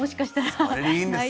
それでいいんです。